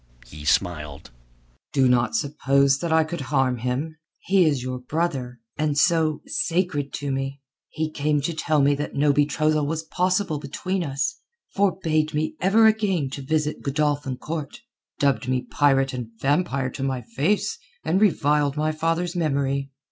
He smiled. "Do not suppose that I could harm him. He is your brother, and, so, sacred to me. He came to tell me that no betrothal was possible between us, forbade me ever again to visit Godolphin Court, dubbed me pirate and vampire to my face and reviled my father's memory.